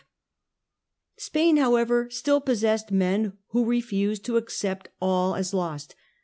Spain however still possessed men who refused to accept all as lost.